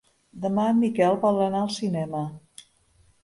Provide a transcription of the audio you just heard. Demà en Miquel vol anar al cinema.